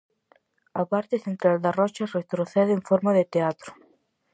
A parte central da rocha retrocede en forma de teatro.